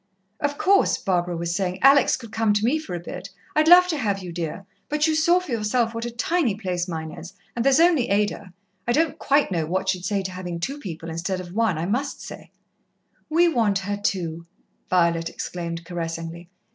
"Of course," Barbara was saying, "Alex could come to me for a bit I'd love to have you, dear but you saw for yourself what a tiny place mine is and there's only Ada. I don't quite know what she'd say to having two people instead of one, I must say " "We want her, too," Violet exclaimed caressingly.